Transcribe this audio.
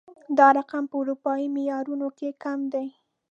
دا رقم په اروپايي معيارونو کې کم دی